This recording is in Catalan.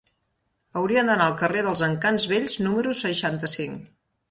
Hauria d'anar al carrer dels Encants Vells número seixanta-cinc.